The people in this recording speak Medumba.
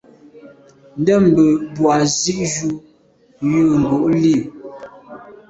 Ndɛ̂mbə̄ bū à’ zí’jú jə̂ ngū’ lî.